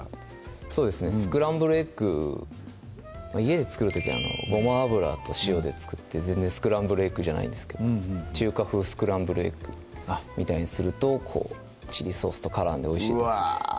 そうですねスクランブルエッグ家で作る時ごま油と塩で作って全然スクランブルエッグじゃないんですけど中華風スクランブルエッグみたいにするとこうチリソースと絡んで美味しいですねうわ